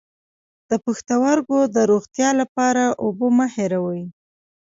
د پښتورګو د روغتیا لپاره اوبه مه هیروئ